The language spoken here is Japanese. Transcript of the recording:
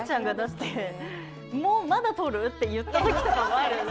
「もうまだ撮る？」って言った時とかもあるよね。